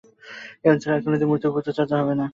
এই অঞ্চলে আর কোনদিন মূর্তিপূজার চর্চা হবে না।